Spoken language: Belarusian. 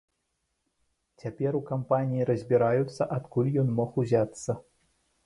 Цяпер у кампаніі разбіраюцца, адкуль ён мог узяцца.